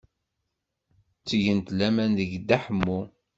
Ttgent laman deg Dda Ḥemmu.